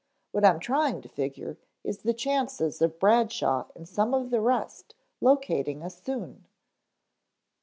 What I'm trying to figure is the chances of Bradshaw and some of the rest locating us soon."